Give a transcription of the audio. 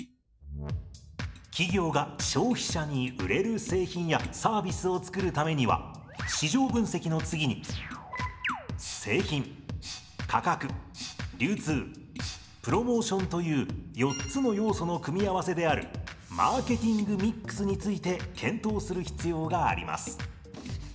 企業が消費者に売れる製品やサービスを作るためには市場分析の次に製品価格流通プロモーションという４つの要素の組み合わせであるマーケティング・ミックスについて検討する必要があります。